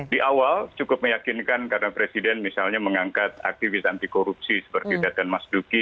di awal cukup meyakinkan karena presiden misalnya mengangkat aktivis anti korupsi seperti teten mas duki